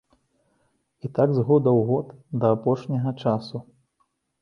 І так з года ў год да апошняга часу.